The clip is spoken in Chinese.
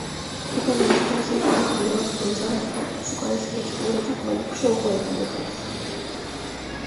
被告人陈绍基归案后能够主动交代办案机关尚未掌握的大部分受贿犯罪事实。